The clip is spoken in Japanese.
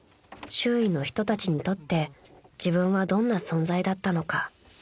［周囲の人たちにとって自分はどんな存在だったのか］